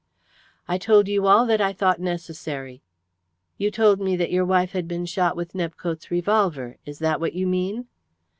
"I told you all that I thought necessary." "You told me that your wife had been shot with Nepcote's revolver. Is that what you mean?"